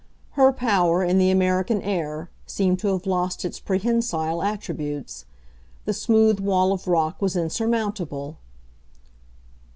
Her power, in the American air, seemed to have lost its prehensile attributes; the smooth wall of rock was insurmountable.